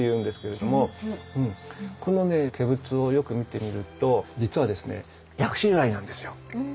このね化仏をよく見てみると実はですね薬師如来なんですよ。